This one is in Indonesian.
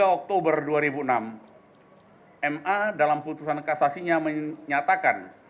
tiga oktober dua ribu enam ma dalam putusan kasasinya menyatakan